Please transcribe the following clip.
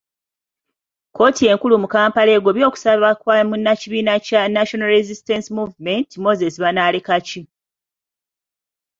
Kkooti enkulu mu Kampala egobye okusaba kwa munnakibiina kya National Resistance Movement Moses Banalekaki.